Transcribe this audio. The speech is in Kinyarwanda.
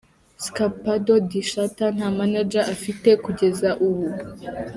Skpado Di Shatta nta manager afite kugeza ubu.